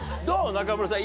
中村さん